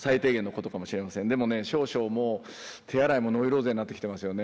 でもね少々もう手洗いもノイローゼになってきてますよね。